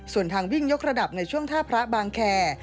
ส่วนทางวิ่งยกระดับในช่วงท่าพระบางแคร์